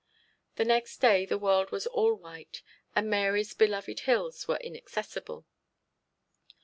Next day the world was all white, and Mary's beloved hills were inaccessible.